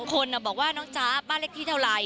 คนบอกว่าน้องจ๊ะบ้านเลขที่เท่าไหร่